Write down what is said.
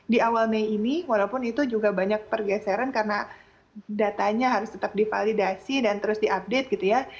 di awal mei ini walaupun itu juga banyak pergeseran karena datanya harus tetap divalidasi dan terus diupdate gitu ya